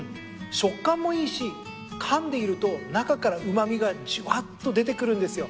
食感もいいしかんでいると中からうま味がじゅわっと出てくるんですよ。